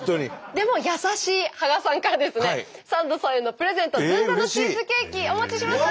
でも優しい芳賀さんからですねサンドさんへのプレゼントずんだのチーズケーキお持ちしました。